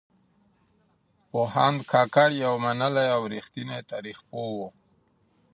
پوهاند کاکړ يو منلی او رښتينی تاريخ پوه و.